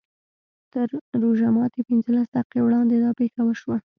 تر روژه ماتي پینځلس دقیقې وړاندې دا پېښه وشوه.